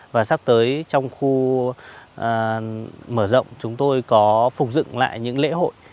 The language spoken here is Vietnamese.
và sắp tới trong khu mở rộng chúng tôi có phục dựng lại những lễ hội